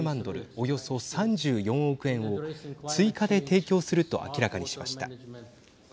およそ３４億円を追加で提供すると明らかにしました。